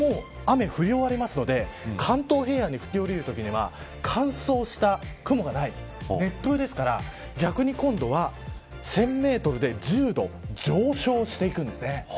ここで雨、降り終わりますので関東平野に吹き下りるときには乾燥した雲がない熱風ですから逆に今度は１０００メートルで１０度上昇していくんですね。